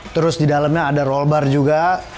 terus di dalamnya ada roll bar juga